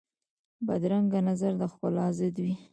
بدرنګه نظر د ښکلا ضد وي